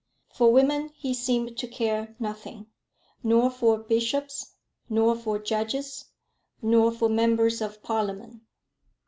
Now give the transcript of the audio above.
For women he seemed to care nothing, nor for bishops, nor for judges, nor for members of Parliament.